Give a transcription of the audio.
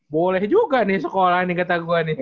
boleh juga nih sekolah nih kata gue nih